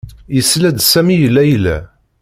Yesla-d Sami i Layla.